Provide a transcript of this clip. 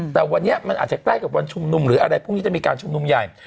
แต่วันนี้มันอาจจะใกล้กับวันชุมนุมหรืออะไรพรุ่งนี้จะมีการชุมนุมใหญ่